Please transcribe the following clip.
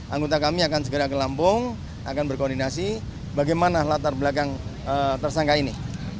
anggota kami akan segera ke lampung akan berkoordinasi bagaimana latar belakang tersangka ini